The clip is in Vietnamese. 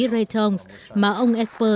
ray thoms mà ông esper